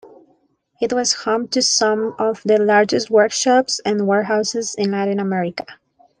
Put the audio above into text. It was home to some of the largest workshops and warehouses in Latin America.